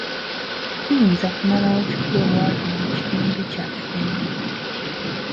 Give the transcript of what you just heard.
Tuyinza kumalawo tutya obwavu mu kitundu kyaffe.